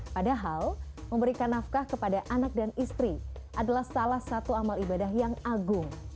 padahal memberikan nafkah kepada anak dan istri adalah salah satu amal ibadah yang agung